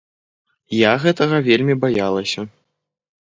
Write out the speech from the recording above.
Я гэтага вельмі баялася.